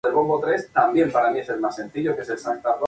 Se ahogó y nunca más fue encontrado.